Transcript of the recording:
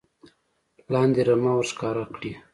لاندې رمه ور ښکاره کړي .